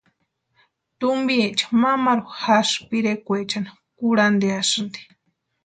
Tumpiecha mamaru jásï pirekwaechani kurhantiasïnti.